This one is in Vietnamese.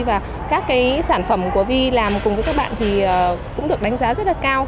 và các cái sản phẩm của vi làm cùng với các bạn thì cũng được đánh giá rất là cao